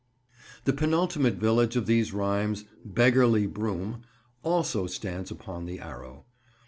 The penultimate village of these rhymes, "Beggarly" Broom, also stands upon the Arrow.